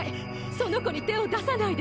その子に手を出さないで！